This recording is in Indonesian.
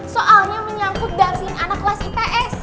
soalnya menyangkut dafin anak kelas ips